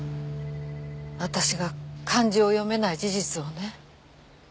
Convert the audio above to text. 私が漢字を読めない事実をね。